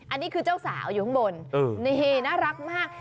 อันนี้คือเจ้าสาวอยู่ข้างบนนี่น่ารักมาก